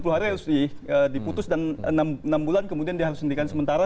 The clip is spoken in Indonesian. enam puluh hari harus diputus dan enam bulan kemudian dihentikan sementara